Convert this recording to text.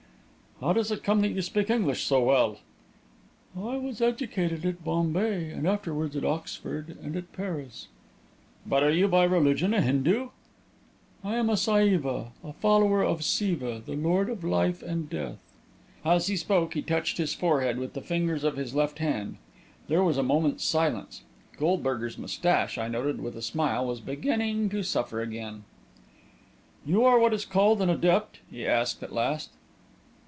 "How does it come that you speak English so well?" "I was educated at Bombay, and afterwards at Oxford and at Paris." "But you are by religion a Hindu?" "I am a Saiva a follower of Siva, the Lord of life and death." As he spoke, he touched his forehead with the fingers of his left hand. There was a moment's silence. Goldberger's moustache, I noted with a smile, was beginning to suffer again. "You are what is called an adept?" he asked, at last.